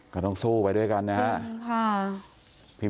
ก็ต้องสู้ไปด้วยกันนะครับ